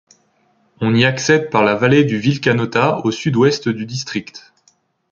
On y accède par la vallée du Vilcanota au sud-ouest du district.